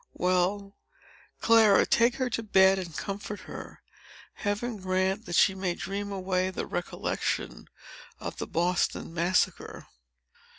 Well, Clara, take her to bed, and comfort her. Heaven grant that she may dream away the recollection of the Boston Massacre!"